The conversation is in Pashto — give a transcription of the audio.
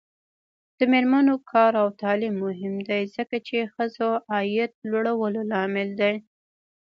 د میرمنو کار او تعلیم مهم دی ځکه چې ښځو عاید لوړولو لامل دی.